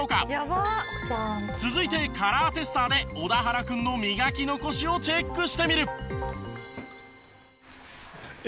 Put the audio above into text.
続いてカラーテスターで小田原君の磨き残しをチェックしてみる。